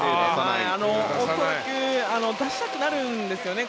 恐らく出したくなるんですよね。